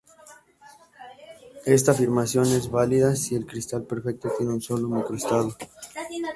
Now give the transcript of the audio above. Esta afirmación es válida si el cristal perfecto tiene un solo microestado.